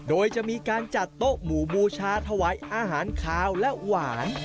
โดยจะมีการจัดโต๊ะหมู่บูชาถวายอาหารคาวและหวาน